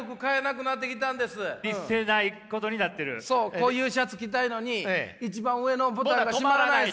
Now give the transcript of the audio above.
こういうシャツ着たいのに一番上のボタンが留まらない。